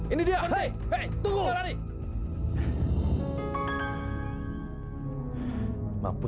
ini dia berhenti tunggu